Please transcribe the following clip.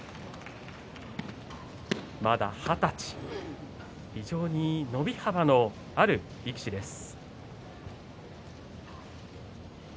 まだ二十歳、非常に伸び幅のある力士です。